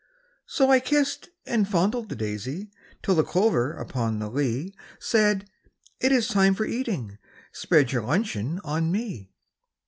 So I kissed and fondled the daisy, Till the clover upon the lea Said, "It is time for eating, Spread your luncheon on me."